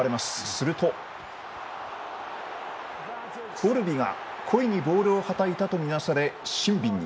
するとコルビが故意にボールをはたいたとみなされ、シンビンに。